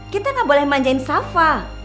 kita gak boleh manjain safa